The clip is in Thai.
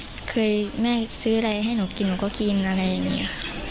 ก็เคยแม่ซื้ออะไรให้หนูกินหนูก็กินอะไรอย่างนี้ค่ะ